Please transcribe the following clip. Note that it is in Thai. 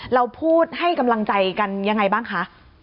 เราพูดให้กำลังใจกันยังไงบ้างคะ